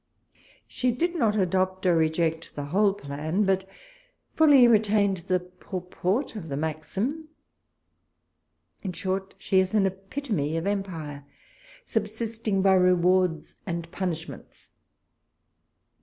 She did not adopt or reject the whole plan, but fully retained the purport of the maxim. In short, she is an epitome of empire, subsisting by rewards and punishments.